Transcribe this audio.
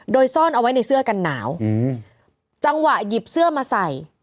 โดยซ่อนเอาไว้ในเสื้อกันหนาวอืมจังหวะหยิบเสื้อมาใส่